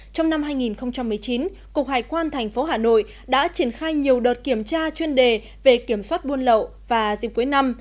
trong năm hai nghìn một mươi chín cục hải quan thành phố hà nội đã triển khai nhiều đợt kiểm tra chuyên đề về kiểm soát buôn lậu và dịp cuối năm